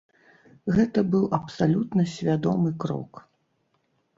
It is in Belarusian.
Гэта быў абсалютна свядомы крок.